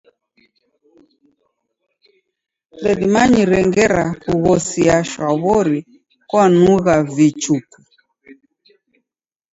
Ndedimanyire ngera kughosia shwaw'ori kwanughi vichuku.